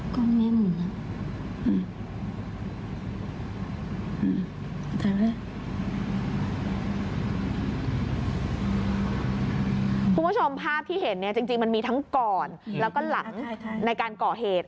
คุณผู้ชมภาพที่เห็นเนี่ยจริงมันมีทั้งก่อนแล้วก็หลังในการก่อเหตุ